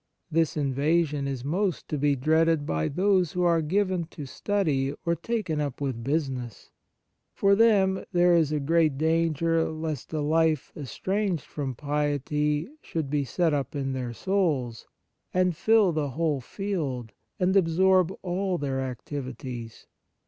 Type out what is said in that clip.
This invasion is most to be dreaded by those who are given to study or taken up with business. For them there is a great danger lest a life estranged from piety should be set up in their souls, and fill the whole field, and absorb all their activities.